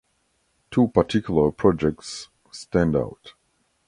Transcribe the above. Two particular projects stand out.